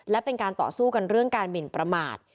และเป็นการต่อสู้กันเรื่องการหมินประมาท